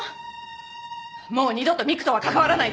もう二度と美玖とは関わらないで。